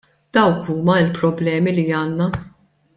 Dawk huma l-problemi li għandna.